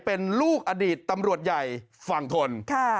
เป็นลูกอดีตตำรวจใหญ่ฝั่งทน